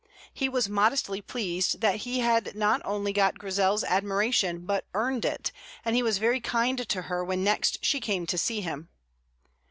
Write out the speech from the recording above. He was modestly pleased that he had not only got Grizel's admiration, but earned it, and he was very kind to her when next she came to see him.